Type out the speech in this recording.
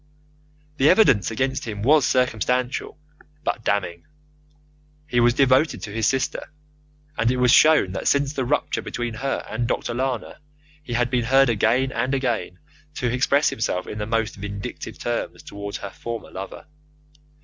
The evidence against him was circumstantial, but damning. He was devoted to his sister, and it was shown that since the rupture between her and Dr. Lana he had been heard again and again to express himself in the most vindictive terms towards her former lover.